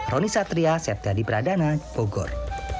roni satria septya di pradana bogor